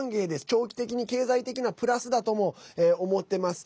長期的に経済的なプラスだとも思ってます。